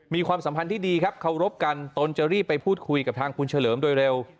ความสัมพันธ์ที่ดีครับเคารพกันตนจะรีบไปพูดคุยกับทางคุณเฉลิมโดยเร็ว